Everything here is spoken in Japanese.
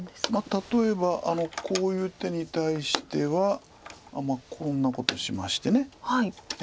例えばこういう手に対してはこんなことしまして。